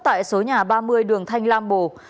tại số nhà ba mươi đường thanh lam bồ